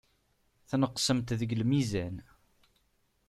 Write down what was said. Tneqsemt deg lmizan.